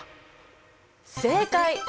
正解！